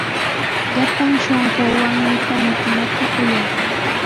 Llapan shunquuwanmi paniikunata kuyaa.